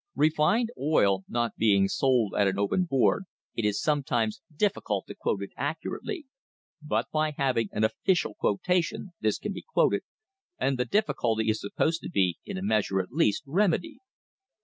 Refined oil not being sold at an open board, it is sometimes difficult to quote it accurately, but by having an ' official quotation ' this can be quoted, and the difficulty is supposed to be, in a measure at least, remedied.